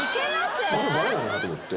バレないなと思って。